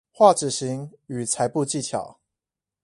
畫紙型與裁布技巧